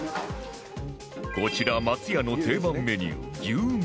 こちら松屋の定番メニュー牛めしですが